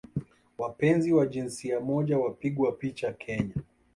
wapenzi wa jinsia moja wapigwa picha Kenya